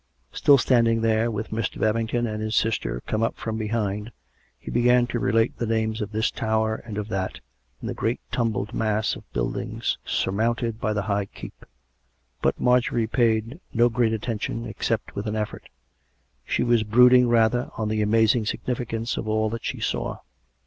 Still standing there, with Mr. Babington and his sister come up from behind, he began to relate the names of this tower and of that, in the great tumbled mass of buildings surmounted by the high keep. But Marjorie paid no great attention except with an effort: she was brooding rather on the amazing significance of all that she saw.